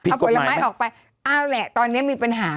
เอาผลไม้ออกไปเอาแหละตอนนี้มีปัญหา